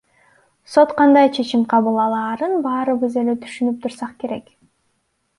Сот кандай чечим кабыл алаарын баарыбыз эле түшүнүп турсак керек.